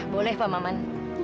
boleh pak maman